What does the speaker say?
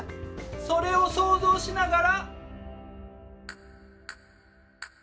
それを想像しながら。